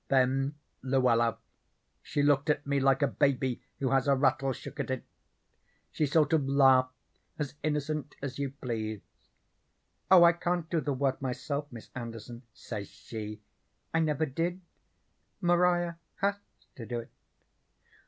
"Then Luella she looked at me like a baby who has a rattle shook at it. She sort of laughed as innocent as you please. 'Oh, I can't do the work myself, Miss Anderson,' says she. 'I never did. Maria HAS to do it.'